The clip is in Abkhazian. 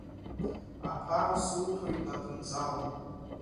Аԥара суҭоит напынҵала…